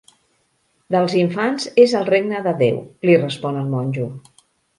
Dels infants és el regne de Déu, li respon el monjo.